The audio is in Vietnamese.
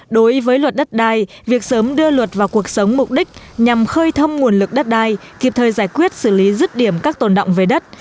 đối với luật đất đai việc sớm đưa luật vào cuộc sống mục đích nhằm khơi thâm nguồn lực đất đai kịp thời giải quyết xử lý rứt điểm các tồn động về đất